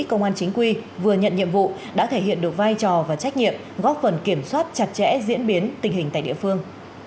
công an chính quy vừa nhận nhiệm vụ đã thể hiện được vai trò và trách nhiệm góp phần kiểm soát chặt chẽ diễn biến tình hình tại địa phương